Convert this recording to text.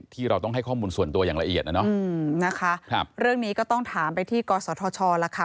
ที่เราต้องให้ข้อมูลส่วนตัวอย่างละเอียดนะเนาะนะคะครับเรื่องนี้ก็ต้องถามไปที่กศธชแล้วค่ะ